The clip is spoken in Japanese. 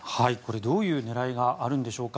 どういう狙いがあるんでしょうか。